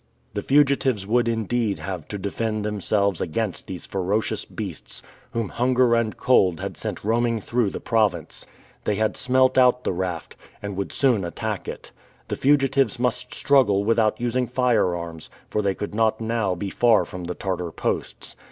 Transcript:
The fugitives would indeed have to defend themselves against these ferocious beasts, whom hunger and cold had sent roaming through the province. They had smelt out the raft, and would soon attack it. The fugitives must struggle without using firearms, for they could not now be far from the Tartar posts.